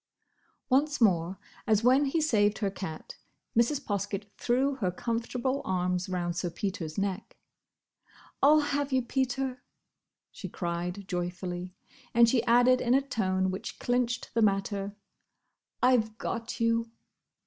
Once more, as when he saved her cat, Mrs. Poskett threw her comfortable arms round Sir Peter's neck. "I 'll have you, Peter," she cried joyfully; and she added in a tone which clinched the matter, "I've got you!"